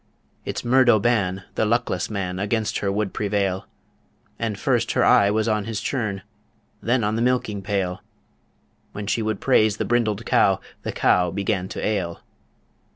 It's Murdo Ban, the luckless man, Against her would prevail; And first her eye was on his churn, Then on the milking pail; When she would praise the brindled cow, The cow began to ail.